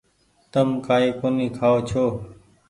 تم ڪآئي ڪونيٚ کآئو ڇو۔